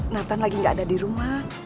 nathan lagi gak ada di rumah